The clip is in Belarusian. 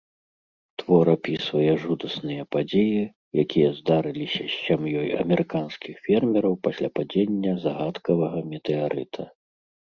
Твор апісвае жудасныя падзеі, якія здарыліся з сям'ёй амерыканскіх фермераў пасля падзення загадкавага метэарыта.